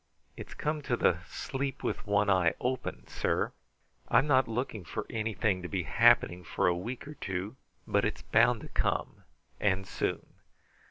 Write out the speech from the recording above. "It's come to the 'sleep with one eye open,' sir. I'm not looking for anything to be happening for a week or two, but it's bound to come, and soon.